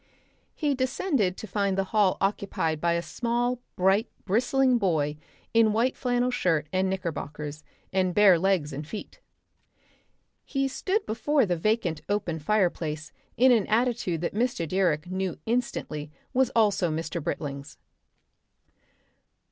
He descended to find the hall occupied by a small bright bristling boy in white flannel shirt and knickerbockers and bare legs and feet. He stood before the vacant open fireplace in an attitude that Mr. Direck knew instantly was also Mr. Britling's.